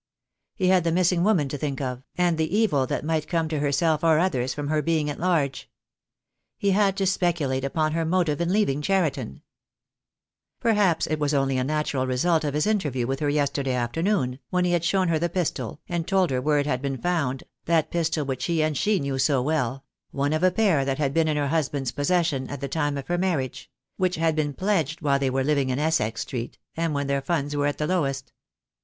He had the missing woman to think of, and the evil that might come to herself or others from her being at large. He had to speculate upon her motive in leaving Cheriton. Perhaps it was only a natural result of his interview with her yesterday afternoon, when he had shown her the pistol, and told her where it had been found, that pistol which he and she knew so well — one of a pair that had been in her husband's possession at the time of her marriage— which had been pledged while they were living in Essex Street, and when their funds were at the lowest.